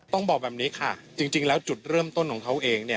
ต้องบอกแบบนี้ค่ะจริงแล้วจุดเริ่มต้นของเขาเอง